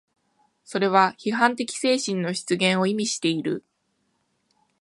それは批判的精神の出現を意味している。